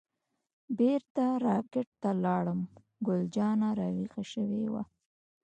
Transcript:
بیرته را کټ ته لاړم، ګل جانه راویښه شوې وه.